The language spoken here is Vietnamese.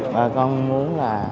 và con muốn là